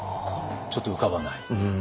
ちょっと浮かばない？